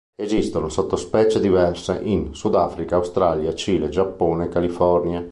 Esistono sottospecie diverse in Sudafrica, Australia, Cile, Giappone e California.